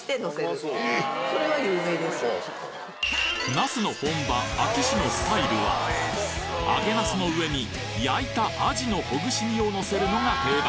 なすの本場安芸市のスタイルは揚げなすの上に焼いたアジのほぐし身をのせるのが定番